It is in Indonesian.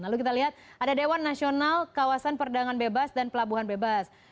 lalu kita lihat ada dewan nasional kawasan perdagangan bebas dan pelabuhan bebas